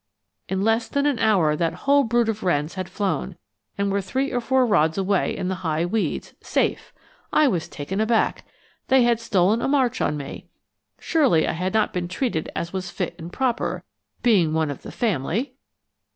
In less than an hour that whole brood of wrens had flown, and were three or four rods away in the high weeds safe! I was taken aback. They had stolen a march on me. Surely I had not been treated as was fit and proper, being one of the family!